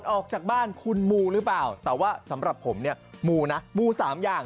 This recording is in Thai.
ออกจากบ้านคุณมูหรือเปล่าแต่ว่าสำหรับผมเนี่ยมูนะมูสามอย่าง